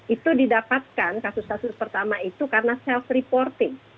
itu didapatkan kasus kasus pertama itu karena self reporting